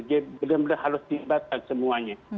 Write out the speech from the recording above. jadi benar benar harus didibatkan semuanya